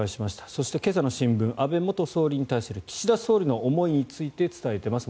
そして今朝の新聞安倍元総理に対する岸田総理の思いについて伝えています。